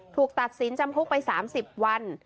ถูกตัดสินจำคุกไป๓๐วัน